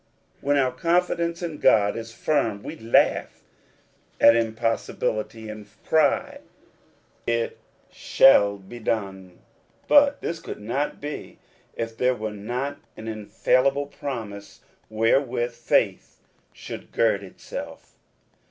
When our confidence in God is firm we laugh at impossibility, and cry, " It shall be done ; but this could not be if there were not an infallible promise wherewith faith should gird itself.